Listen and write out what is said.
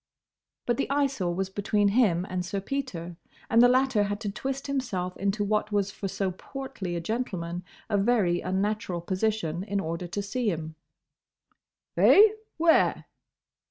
But the Eyesore was between him and Sir Peter, and the latter had to twist himself into what was for so portly a gentleman a very unnatural position in order to see him. "Eh? Where?"